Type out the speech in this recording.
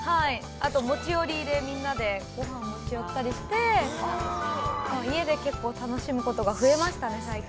あと持ち寄りでみんなでごはんを持ち寄ったりして、家で結構楽しむことがふえましたね、最近。